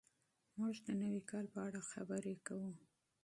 موږ د نوي کال په اړه خبرې کوو.